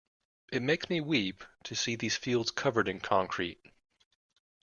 It makes me weep to see these fields covered in concrete.